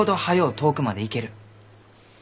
遠くまで行ける。